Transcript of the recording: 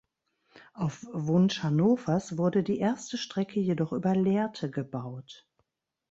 Auf Wunsch Hannovers wurde die erste Strecke jedoch über Lehrte gebaut.